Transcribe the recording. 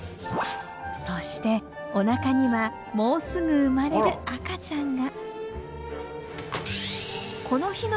そしておなかにはもうすぐ生まれる赤ちゃんが。